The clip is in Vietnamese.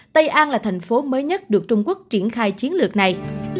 tây an là thành phố mới nhất được trung quốc triển khai chiến lược này